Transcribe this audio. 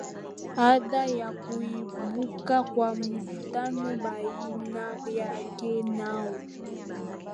aada ya kuibuka kwa mvutano baina yake nao